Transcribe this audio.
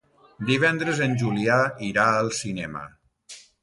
Divendres en Julià irà al cinema.